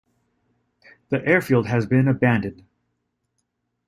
The airfield has been abandoned.